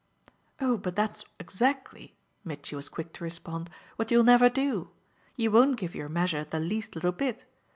"Oh but that's exactly," Mitchy was quick to respond, "what you'll never do! You won't give your measure the least little bit.